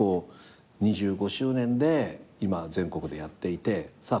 ２５周年で今全国でやっていてさあ